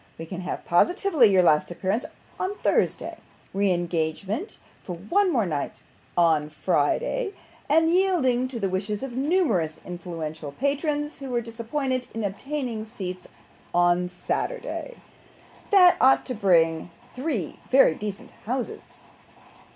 'We can have positively your last appearance, on Thursday re engagement for one night more, on Friday and, yielding to the wishes of numerous influential patrons, who were disappointed in obtaining seats, on Saturday. That ought to bring three very decent houses.